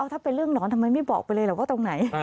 ถ้าเป็นเรื่องหนอนทำไมไม่บอกไปเลยแหละว่าตรงไหน